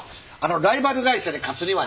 ライバル会社に勝つには。